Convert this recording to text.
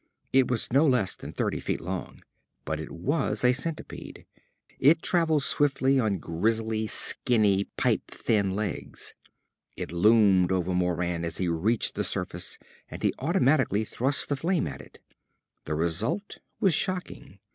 It was no less than thirty feet long, but it was a centipede. It travelled swiftly on grisly, skinny, pipe thin legs. It loomed over Moran as he reached the surface and he automatically thrust the flame at it. The result was shocking.